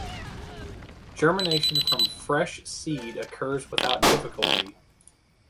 Germination from fresh seed occurs without difficulty.